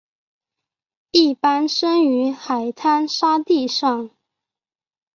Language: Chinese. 一般生于海滩沙地上。